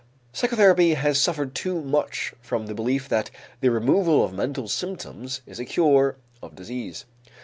Psychotherapy has suffered too much from the belief that the removal of mental symptoms is a cure of disease.